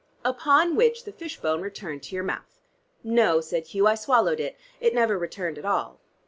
"Upon which the fish bone returned to your mouth?" "No," said Hugh. "I swallowed it. It never returned at all."